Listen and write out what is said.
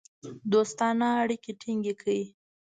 دوستانه اړیکې ټینګ کړې.